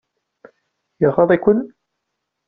Iɣaḍ-iken?